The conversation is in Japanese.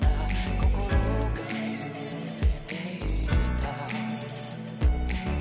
心が揺れていた」